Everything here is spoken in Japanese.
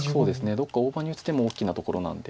どこか大場に打つ手も大きなところなんで。